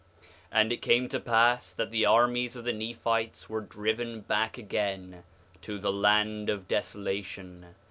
4:2 And it came to pass that the armies of the Nephites were driven back again to the land of Desolation.